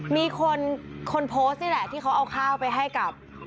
มีคนคนโพสต์นี่แหละที่เขาเอาข้าวไปให้กับ